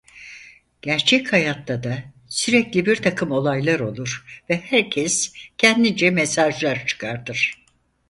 Gerçek hayatta da sürekli birtakım olaylar olur ve herkes kendince mesajlar çıkartır.